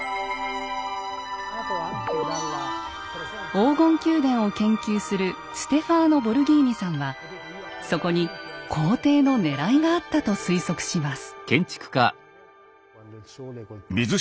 黄金宮殿を研究するステファーノ・ボルギーニさんはそこに皇帝のねらいがあったと推測します。